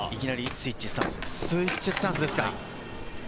スイッチスタンスですか。